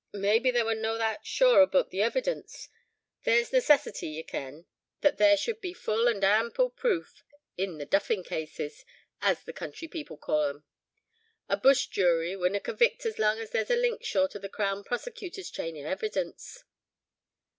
"Maybe they were no that sure aboot the evidence. There's neecessity, ye ken, that there should be full and aample proof in thae 'duffing' cases, as the country people ca' them. A bush jury winna convict as lang's there a link short o' the Crown Prosecutor's chain o' evidence."